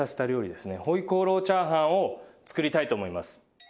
回鍋肉チャーハンを作りたいと思います。